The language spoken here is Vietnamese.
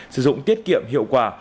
sử dụng tiết kiệm hiệu quả